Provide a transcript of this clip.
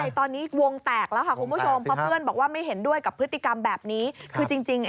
ใช่ตอนนี้วงแตกแล้วคุณผู้ชม